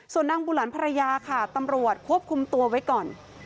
ส่วนนางบุหลันภรรยาค่ะตำรวจควบคุมตัวไว้ก่อน